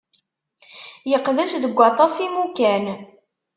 Yeqdec deg waṭas n yimukan.